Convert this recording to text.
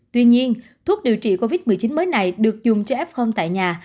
tuy nhiên thuốc điều trị covid một mươi chín mới này được dùng cho f tại nhà